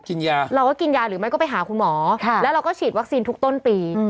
เราก็กินยาหรือไม่ก็ไปหาคุณหมอแล้วเราก็ฉีดวัคซีนทุกต้นปี